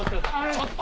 ちょっと。